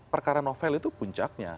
perkara novel itu puncaknya